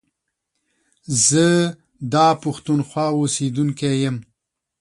زه دا پښتونخوا اوسيدونکی يم.